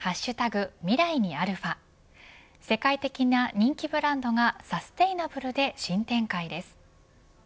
ミライにα世界的な人気ブランドがサステイナブルで新展開です。